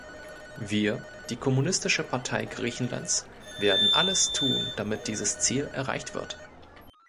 Wir, die Kommunistische Partei Griechenlands, werden alles tun, damit dieses Ziel erreicht wird.